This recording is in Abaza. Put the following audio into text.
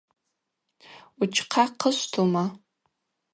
Учхъа хъышвтума?